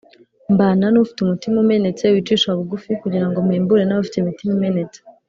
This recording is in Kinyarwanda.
mbana n’ufite umutima umenetse wicisha bugufi, kugira ngo mpembure n’abafite imitima imenetse’